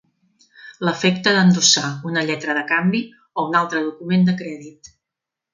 L'efecte d'endossar una lletra de canvi o un altre document de crèdit.